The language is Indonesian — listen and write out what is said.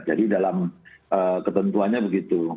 jadi dalam ketentuannya begitu